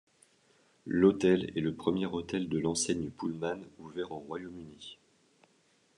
L'hôtel est le premier hôtel de l'enseigne Pullman ouvert au Royaume-Uni.